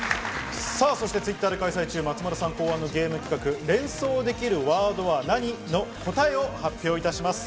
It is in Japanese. Ｔｗｉｔｔｅｒで開催中、松丸さん考案のゲーム企画、「連想できるワードは何！？」の答えを発表いたします。